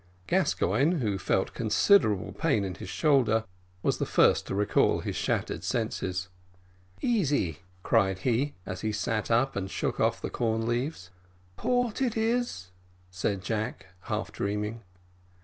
Gascoigne, who felt considerable pain in his shoulder, was the first to recall his scattered senses. "Easy," cried he, as he sat up and shook off the corn leaves. "Port it is," said Jack, half dreaming.